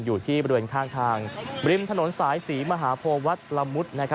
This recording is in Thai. อยู่ที่บริเวณข้างทางริมถนนสายศรีมหาโพวัดละมุด